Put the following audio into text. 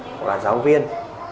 hoặc là giáo viên